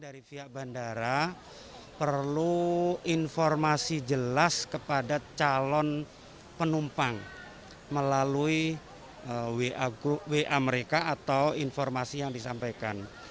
dari pihak bandara perlu informasi jelas kepada calon penumpang melalui wa mereka atau informasi yang disampaikan